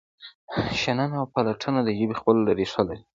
شننه او پرتلنه د ژبې خپل ریښه لري.